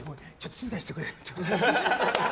静かにしてくれって。